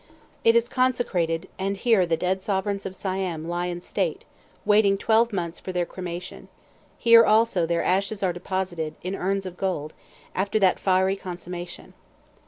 It is consecrated; and here dead sovereigns of Siam lie in state, waiting twelve months for their cremation; here also their ashes are deposited, in urns of gold, after that fiery consummation.